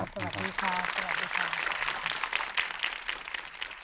สวัสดีค่ะ